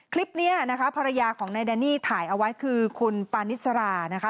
คลิปนี้นะคะภรรยาของนายแดนนี่ถ่ายเอาไว้คือคุณปานิสรานะคะ